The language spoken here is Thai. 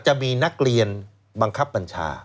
จะมีนักเรียนบังคับบัญชา